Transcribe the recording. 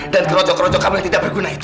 dan kerocok kerocok kamu yang tidak berguna itu